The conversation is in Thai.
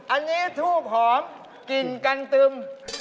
อันนี้ทูบหอมกลิ่นกันตึม